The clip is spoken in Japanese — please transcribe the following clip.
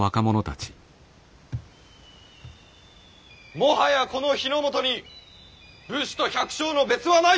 もはやこの日の本に武士と百姓の別はない！